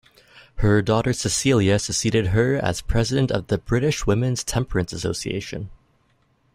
Her daughter Cecilia succeeded her as president of the British Women's Temperance Association.